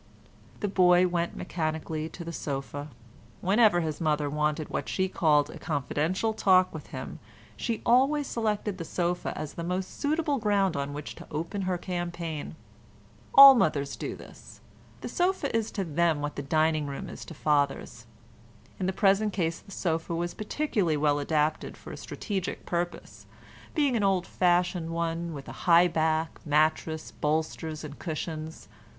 The boy went mechanically to the sofa. Whenever his mother wanted what she called a confidential talk with him she always selected the sofa as the most suitable ground on which to open her campaign. All mothers do this; the sofa is to them what the dining room is to fathers. In the present case the sofa was particularly well adapted for a strategic purpose, being an old fashioned one with a high back, mattress, bolsters and cushions.